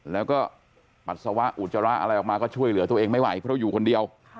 แล้วก็ปัสสาวะอุจจาระอะไรออกมาก็ช่วยเหลือตัวเองไม่ไหวเพราะอยู่คนเดียว